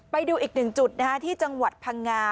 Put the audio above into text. ไปดูอีกหนึ่งจุดที่จังหวัดพังงา